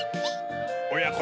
おやこ